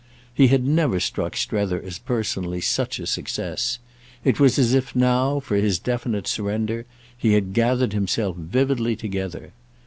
He had never struck Strether as personally such a success; it was as if now, for his definite surrender, he had gathered himself vividly together.